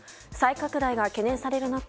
再拡大が懸念される